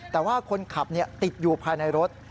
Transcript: แต่ว่าคนขับติดอยู่ภายในรถ